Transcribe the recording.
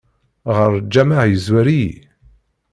Ɣer lǧameɛ yezwar-iyi.